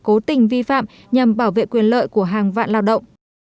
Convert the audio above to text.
cố tình vi phạm nhằm bảo vệ quyền lợi của hàng vạn lao động